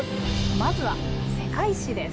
まずは「世界史」です。